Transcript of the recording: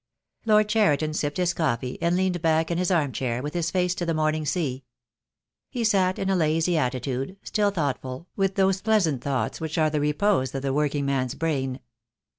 Lord Cheriton sipped his coffee, and leaned back in his arm chair, with his face to the morning sea. He sat in a lazy attitude, still thoughtful, with those pleasant thoughts which are the repose of the working man's brain.